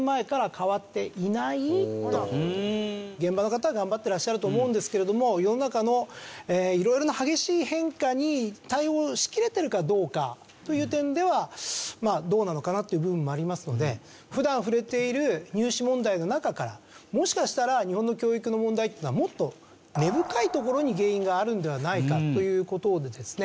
現場の方は頑張ってらっしゃると思うんですけれども世の中の色々な激しい変化に対応しきれてるかどうかという点ではまあどうなのかなっていう部分もありますので普段触れている入試問題の中からもしかしたら日本の教育の問題っていうのはもっと根深いところに原因があるのではないかという事をですね